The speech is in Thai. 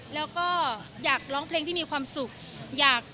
แล้วก็อยากร้องเพลงที่มีความสุขอยาก